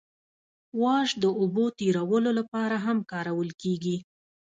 واش د اوبو تیرولو لپاره هم کارول کیږي